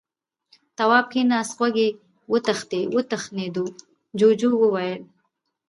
تواب کېناست. غوږ يې وتخڼېد. جُوجُو وويل: